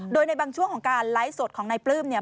โดยในบางช่วงของการไลฟ์สดของนายปลื้มเนี่ย